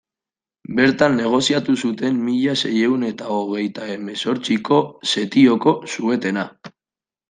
Bertan negoziatu zuten mila seiehun eta hogeita hemezortziko setioko suetena.